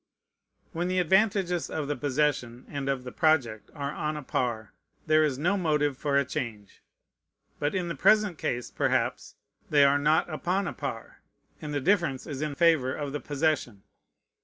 When the advantages of the possession and of the project are on a par, there is no motive for a change. But in the present case, perhaps, they are not upon a par, and the difference is in favor of the possession.